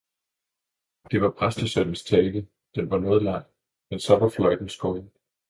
Det var præstesønnens tale, den var noget lang, men så var fløjten skåret.